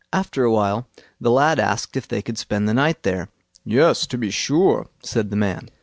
After a while, the lad asked if they could spend the night there. "Yes, to be sure", said the man.